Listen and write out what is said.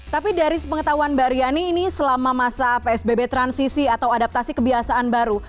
tapi dari sepengetahuan mbak riani ini selama masa psbb transisi atau adaptasi kebiasaan baru